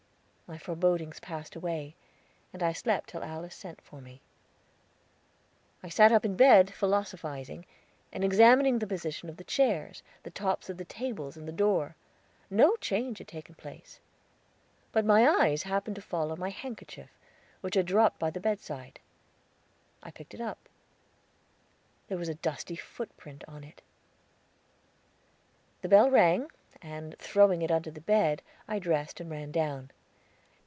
My forebodings passed away, and I slept till Alice sent for me. I sat up in bed philosophizing, and examining the position of the chairs, the tops of the tables and the door. No change had taken place. But my eyes happened to fall on my handkerchief, which had dropped by the bedside. I picked it up; there was a dusty footprint upon it. The bell rang, and, throwing it under the bed, I dressed and ran down.